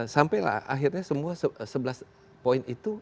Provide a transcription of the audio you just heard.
sampai lah akhirnya semua sebelas point itu